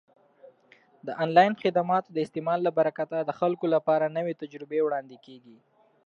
د آنلاین خدماتو د استعمال له برکته د خلکو لپاره نوې تجربې وړاندې کیږي.